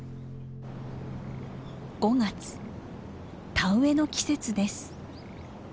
田植えの季節です。